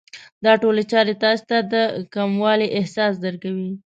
دا ټولې چارې تاسې ته د کموالي احساس درکوي.